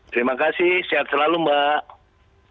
terima kasih sehat selalu mbak